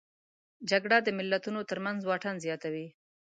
جګړه د ملتونو ترمنځ واټن زیاتوي